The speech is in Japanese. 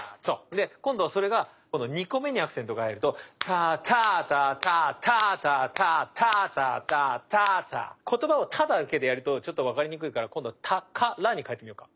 で今度はそれがこの２個目にアクセントが入るとタタタタタタタタタタタタ言葉を「タ」だけでやるとちょっと分かりにくいから今度は「タカラ」に変えてみようか。